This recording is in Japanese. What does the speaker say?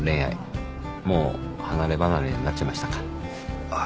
もう離れ離れになっちゃいましたか。